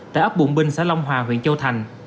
tại ấp bùng minh xã long hòa huyện châu thành